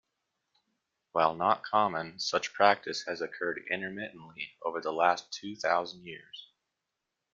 While not common, such practice has occurred intermittently over the last two thousand years.